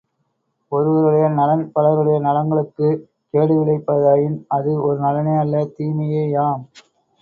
ஒருவருடைய நலன் பலருடைய நலங்களுக்கு கேடுவிளைவிப்பதாயின் அது ஒரு நலனே அல்ல தீமையேயாம்.